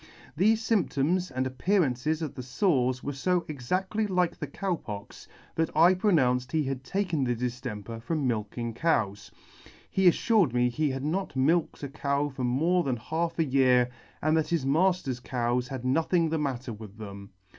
Thefe fymptoms and appearances of the fores were fo exactly like the Cow Pox, that I pronounced he had taken the diflemper from milking cows. He afllired me he had not milked a cow for more than half a year, and that his mafter's cows had nothing the matter with them.